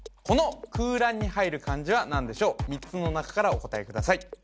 この空欄に入る漢字は何でしょう３つの中からお答えください